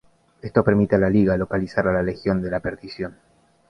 Esto permite a la Liga localizar a la Legión de la Perdición.